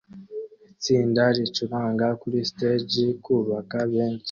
Itsinda ricuranga kuri stage kubantu benshi